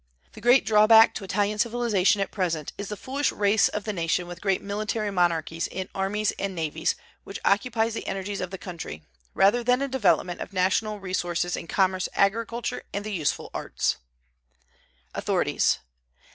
The great drawback to Italian civilization at present is the foolish race of the nation with great military monarchies in armies and navies, which occupies the energies of the country, rather than a development of national resources in commerce, agriculture, and the useful arts. AUTHORITIES.